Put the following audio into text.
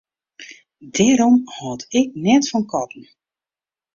Dêrom hâld ik net fan katten.